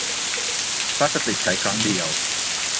พลาสติกใช้ครั้งเดียว